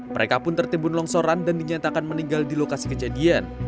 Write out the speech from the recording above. mereka pun tertimbun longsoran dan dinyatakan meninggal di lokasi kejadian